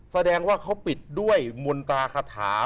แสดงว่าเขาปิดด้วยมนตราคาถา